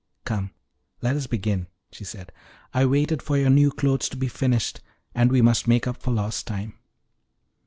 "Come, let us begin," she said. "I waited for your new clothes to be finished, and we must make up for lost time."